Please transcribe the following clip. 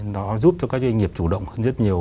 nó giúp cho các doanh nghiệp chủ động hơn rất nhiều